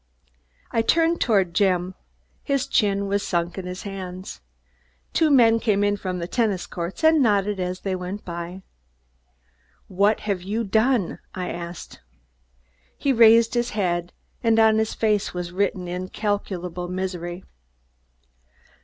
I turned toward Jim. His chin was sunk in his hands. Two men came in from the tennis courts and nodded as they went by. "What have you done?" I asked. He raised his head, and on his face was written incalculable misery.